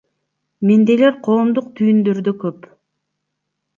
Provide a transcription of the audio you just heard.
Мендейлер коомдук түйүндөрдө көп.